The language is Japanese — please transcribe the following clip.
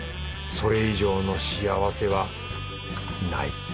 それ以上の幸せはない